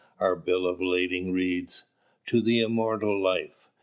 Our bill of lading reads, "To the immortal life."